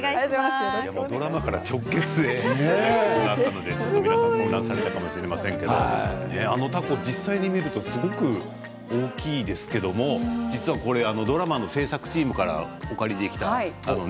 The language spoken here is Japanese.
ドラマから直結で混乱されたかもしれませんがあのたこ、実際に見るとすごく大きいですけれど実はこれ、ドラマの制作チームからお借りした。